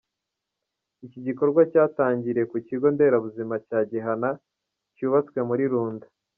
Iki gikorwa cyatangiriye ku kigo nderabuzima cya Gihana cyubatswe muri Runda.